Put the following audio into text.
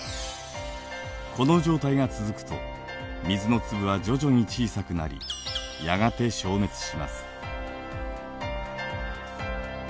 この状態が続くと水の粒は徐々に小さくなりやがて消滅します。